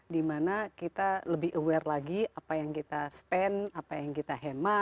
di mana kita lebih aware lagi apa yang kita spend apa yang kita hammer